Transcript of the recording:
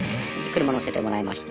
車乗せてもらいました。